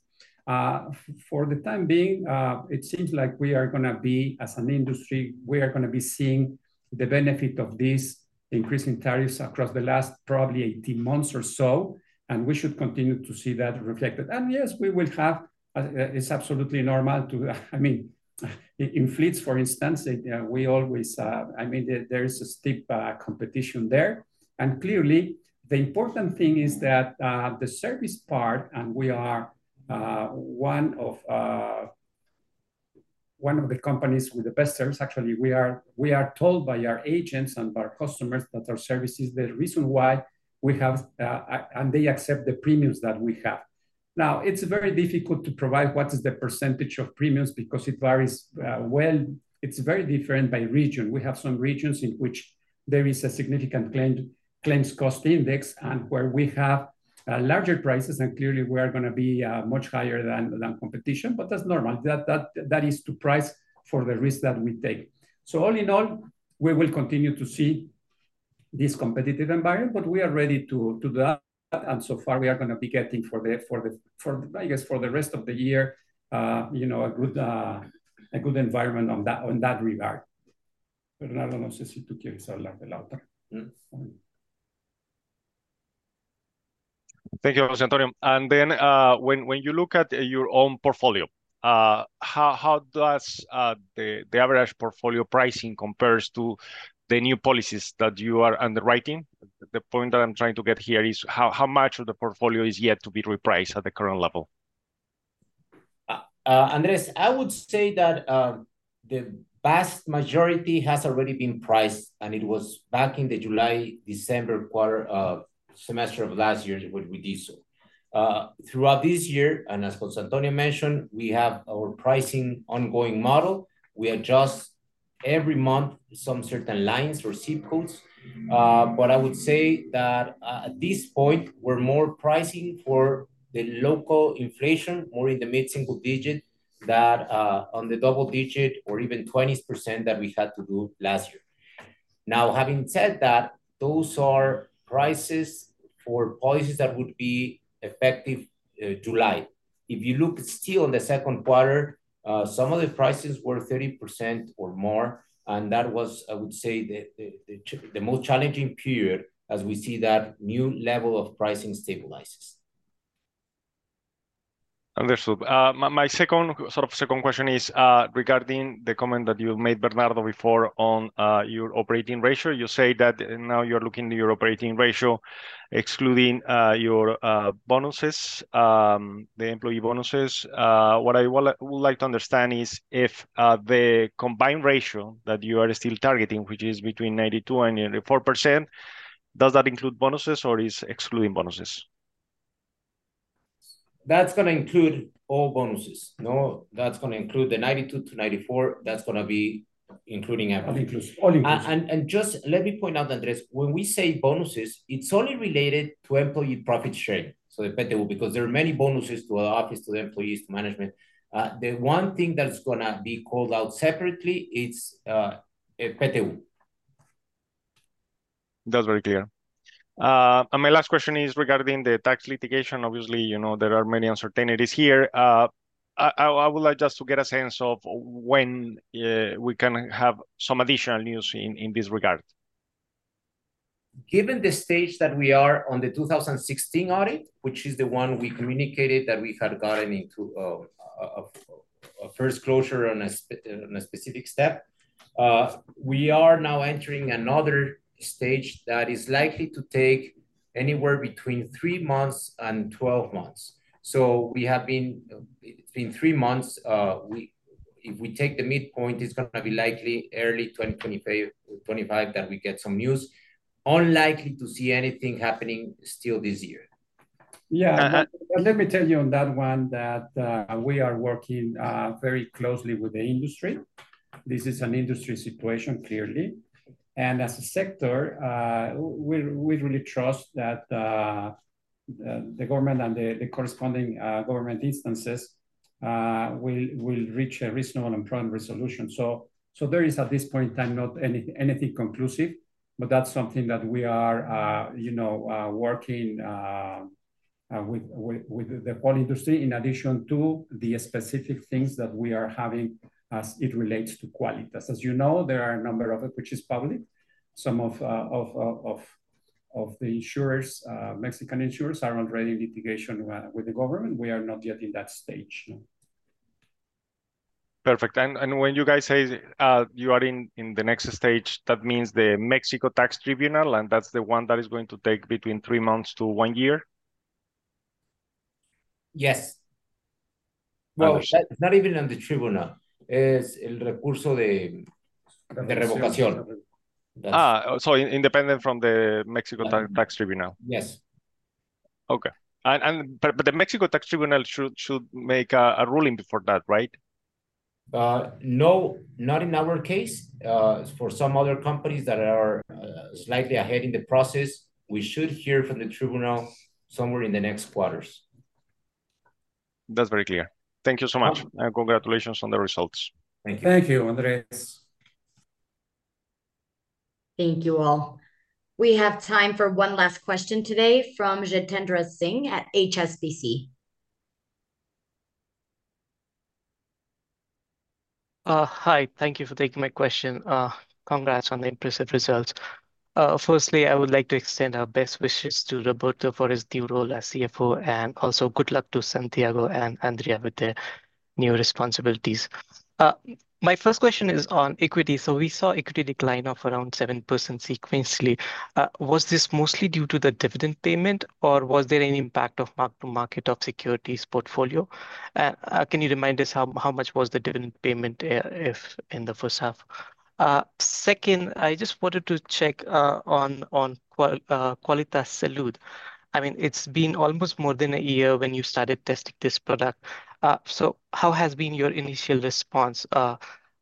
S3: For the time being, it seems like we are going to be, as an industry, we are going to be seeing the benefit of these increasing tariffs across the last probably 18 months or so, and we should continue to see that reflected. And yes, we will have; it's absolutely normal to, I mean, in fleets, for instance, we always—I mean, there is a steep competition there. And clearly, the important thing is that the service part, and we are one of the companies with the best service. Actually, we are told by our agents and our customers that our service is the reason why we have, and they accept the premiums that we have. Now, it's very difficult to provide what is the percentage of premiums because it varies well. It's very different by region. We have some regions in which there is a significant claims cost index and where we have larger prices, and clearly, we are going to be much higher than competition. But that's normal. That is to price for the risk that we take. So all in all, we will continue to see this competitive environment, but we are ready to do that. And so far, we are going to be getting, I guess, for the rest of the year, a good environment on that regard. Bernardo, no sé si tú quieres hablar de la otra.
S4: Thank you, José Antonio. And then when you look at your own portfolio, how does the average portfolio pricing compare to the new policies that you are underwriting? The point that I'm trying to get here is how much of the portfolio is yet to be repriced at the current level? Andrés, I would say that the vast majority has already been priced, and it was back in the July, December quarter semester of last year when we did so. Throughout this year, and as José Antonio mentioned, we have our pricing ongoing model. We adjust every month some certain lines or ZIP codes. But I would say that at this point, we're more pricing for the local inflation, more in the mid-single digit than on the double digit or even 20% that we had to do last year. Now, having said that, those are prices for policies that would be effective July. If you look still on the second quarter, some of the prices were 30% or more, and that was, I would say, the most challenging period as we see that new level of pricing stabilizes.
S7: Andrés, my sort of second question is regarding the comment that you made, Bernardo, before on your operating ratio. You say that now you're looking at your operating ratio, excluding your bonuses, the employee bonuses. What I would like to understand is if the combined ratio that you are still targeting, which is between 92% and 94%, does that include bonuses or is it excluding bonuses?
S3: That's going to include all bonuses. That's going to include the 92%-94%. That's going to be including everything. All inclusive. All inclusive.
S4: Just let me point out, Andrés, when we say bonuses, it's only related to employee profit sharing, so the PTU, because there are many bonuses to our office, to the employees, to management. The one thing that's going to be called out separately, it's PTU.
S7: That's very clear. And my last question is regarding the tax litigation. Obviously, there are many uncertainties here. I would like just to get a sense of when we can have some additional news in this regard.
S4: Given the stage that we are on the 2016 audit, which is the one we communicated that we had gotten into a first closure on a specific step, we are now entering another stage that is likely to take anywhere between 3 months and 12 months. So between 3 months, if we take the midpoint, it's going to be likely early 2025 that we get some news. Unlikely to see anything happening still this year.
S3: Yeah. Let me tell you on that one that we are working very closely with the industry. This is an industry situation, clearly. As a sector, we really trust that the government and the corresponding government instances will reach a reasonable and proper resolution. There is, at this point in time, not anything conclusive, but that's something that we are working with the whole industry in addition to the specific things that we are having as it relates to Quálitas. As you know, there are a number of it which is public. Some of the insurers, Mexican insurers, are already in litigation with the government. We are not yet in that stage.
S7: Perfect. When you guys say you are in the next stage, that means the Mexican tax tribunal, and that's the one that is going to take between three months to one year?
S4: Yes. Well, not even on the tribunal. It's el recurso de revocación.
S7: So independent from the Mexican tax tribunal?
S4: Yes.
S7: Okay. But the Mexican tax tribunal should make a ruling before that, right?
S4: No, not in our case. For some other companies that are slightly ahead in the process, we should hear from the tribunal somewhere in the next quarters.
S7: That's very clear. Thank you so much. And congratulations on the results.
S3: Thank you.
S4: Thank you, Andrés.
S1: Thank you all. We have time for one last question today from Jitendra Singh at HSBC.
S8: Hi. Thank you for taking my question. Congrats on the impressive results. Firstly, I would like to extend our best wishes to Roberto for his new role as CFO, and also good luck to Santiago and Andrea with their new responsibilities. My first question is on equity. So we saw equity decline of around 7% sequentially. Was this mostly due to the dividend payment, or was there any impact of mark-to-market of securities portfolio? And can you remind us how much was the dividend payment in the first half? Second, I just wanted to check on Quálitas Salud. I mean, it's been almost more than a year when you started testing this product. So how has been your initial response?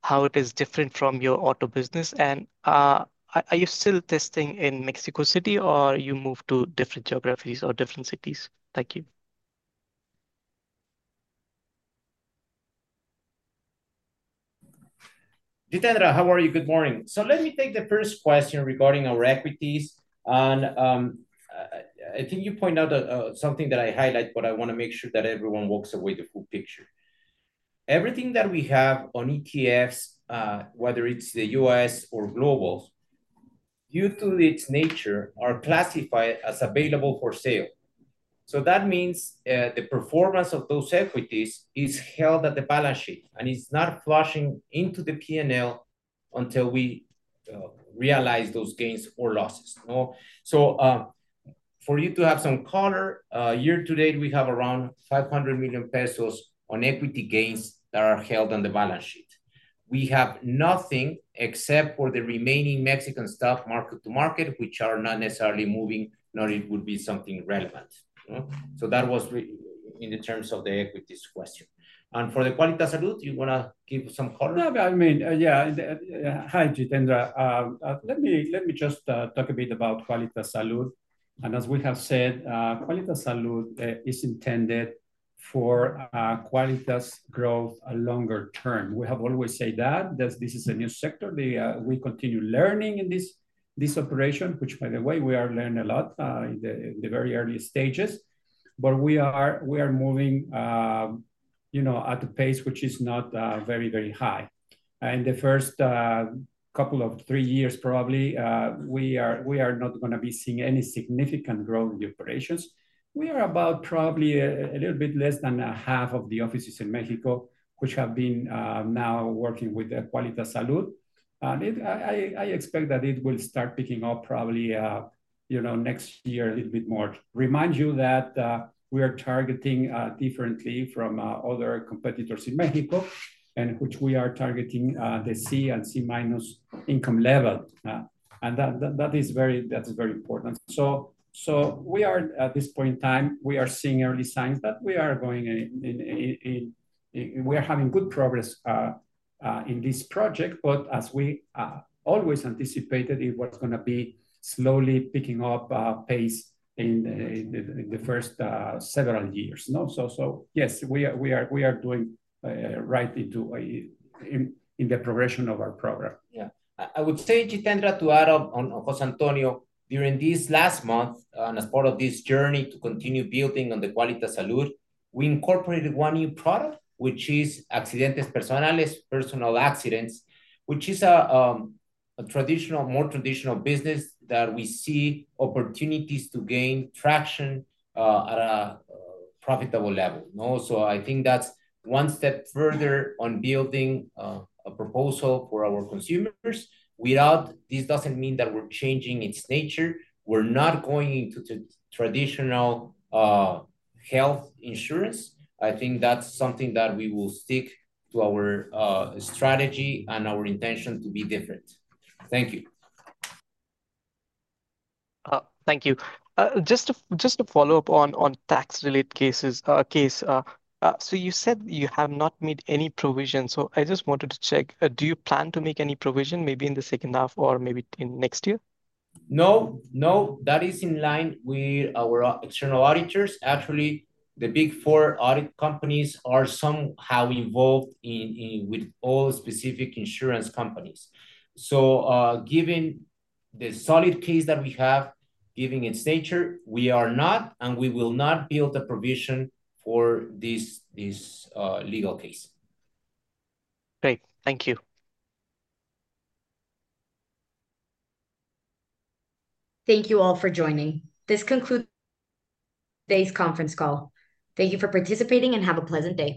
S8: How is it different from your auto business? And are you still testing in Mexico City, or have you moved to different geographies or different cities?
S4: Thank you. Jitendra, how are you? Good morning. Let me take the first question regarding our equities. I think you pointed out something that I highlight, but I want to make sure that everyone walks away with the full picture. Everything that we have on ETFs, whether it's the U.S. or global, due to its nature, are classified as available for sale. That means the performance of those equities is held at the balance sheet, and it's not flushing into the P&L until we realize those gains or losses. For you to have some color, year-to-date, we have around 500 million pesos on equity gains that are held on the balance sheet. We have nothing except for the remaining Mexican stock, mark-to-market, which are not necessarily moving, nor it would be something relevant. That was in terms of the equities question. And for the Quálitas Salud, do you want to give some color?
S3: Yeah. I mean, yeah. Hi, Jitendra. Let me just talk a bit about Quálitas Salud. And as we have said, Quálitas Salud is intended for Quálitas growth longer term. We have always said that this is a new sector. We continue learning in this operation, which, by the way, we are learning a lot in the very early stages. But we are moving at a pace which is not very, very high. In the first couple of three years, probably, we are not going to be seeing any significant growth in the operations. We are about probably a little bit less than half of the offices in Mexico, which have been now working with Quálitas Salud. And I expect that it will start picking up probably next year a little bit more. remind you that we are targeting differently from other competitors in Mexico, which we are targeting the C and C-minus income level. And that is very important. So at this point in time, we are seeing early signs that we are going in we are having good progress in this project. But as we always anticipated, it was going to be slowly picking up pace in the first several years. So yes, we are doing right in the progression of our program.
S4: Yeah. I would say, Jitendra, to add on José Antonio, during these last months, as part of this journey to continue building on the Quálitas Salud, we incorporated one new product, which is Accidentes Personales, personal accidents, which is a more traditional business that we see opportunities to gain traction at a profitable level. So I think that's one step further on building a proposal for our consumers. Without this, it doesn't mean that we're changing its nature. We're not going into traditional health insurance. I think that's something that we will stick to our strategy and our intention to be different. Thank you.
S8: Thank you. Just to follow up on tax-related cases. So you said you have not made any provisions. So I just wanted to check. Do you plan to make any provision, maybe in the second half or maybe in next year?
S4: No. No. That is in line with our external auditors. Actually, the Big Four audit companies are somehow involved with all specific insurance companies. So given the solid case that we have, given its nature, we are not, and we will not build a provision for this legal case.
S8: Great. Thank you.
S1: Thank you all for joining. This concludes today's conference call. Thank you for participating, and have a pleasant day.